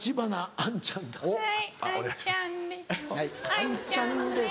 アンちゃんです。